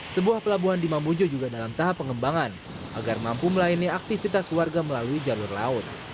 sebuah pelabuhan di mamuju juga dalam tahap pengembangan agar mampu melayani aktivitas warga melalui jalur laut